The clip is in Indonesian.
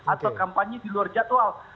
atau kampanye di luar jadwal